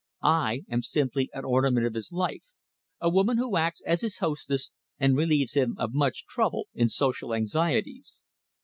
I am simply an ornament of his life, a woman who acts as his hostess and relieves him of much trouble in social anxieties.